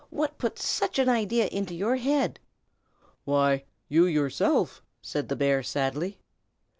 What put such an idea into your head?" "Why, you yourself," said the bear, sadly.